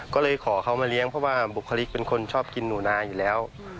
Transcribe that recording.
ก็เลยขอเขามาเลี้ยงเพราะว่าบุคลิกเป็นคนชอบกินหนูนาอยู่แล้ว